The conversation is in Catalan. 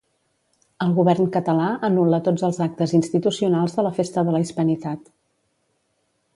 El govern català anul·la tots els actes institucionals de la Festa de la Hispanitat.